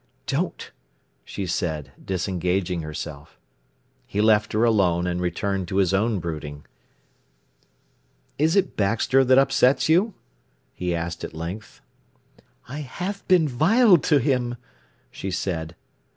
"Don't!" she said, disengaging herself. He left her alone, and returned to his own brooding. "Is it Baxter that upsets you?" he asked at length. "I have been vile to him!" she said.